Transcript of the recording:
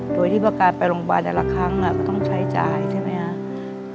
โดยที่ว่าการไปโรงพยาบาลแต่ละครั้งก็ต้องใช้จ่ายใช่ไหมครับ